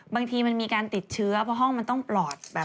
บางทีมันมีการติดเชื้อเพราะห้องมันต้องปลอดแบบ